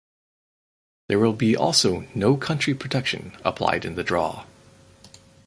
There will be also no country protection applied in the draw.